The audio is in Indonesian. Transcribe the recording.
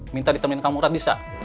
minta ditemuin kang murad bisa